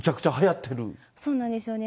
そうなんですよね。